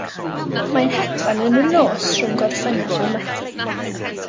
Mae'n hedfan yn y nos rhwng Gorffennaf a Medi.